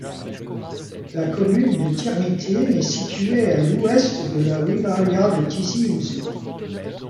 La commune de Tirmitine est située à l'ouest de la wilaya de Tizi Ouzou.